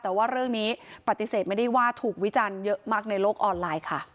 แต่ว่าเรื่องนี้ปฏิเสธไม่ได้ว่าถูกวิจารณ์เยอะมากในโลกออนไลน์ค่ะ